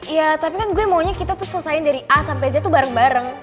iya tapi kan gue maunya kita tuh selesaiin dari a sampai z itu bareng bareng